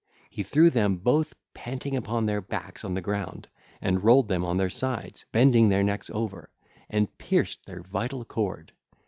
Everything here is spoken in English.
He threw them both panting upon their backs on the ground, and rolled them on their sides, bending their necks over 2517, and pierced their vital chord.